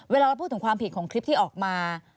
เวลาเราพูดถึงความผิดของคลิปที่ออกมา